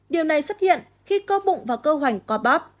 điều này xuất hiện khi cơ bụng và cơ hoành có bắp